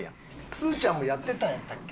すずちゃんもやってたんやったっけ？